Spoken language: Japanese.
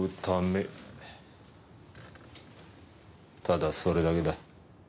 ただそれだけだ。